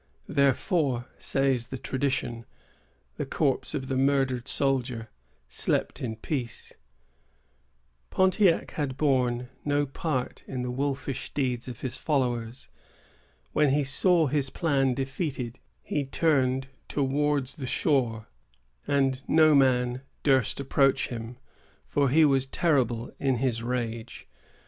Thenceforth, says the tradition, the corpse of the murdered soldier slept in peace. Pontiac had borne no part in the wolfish deeds of his followers. When he saw his plan defeated, he turned towards the shore; and no man durst approach him, for he was terrible in his rage.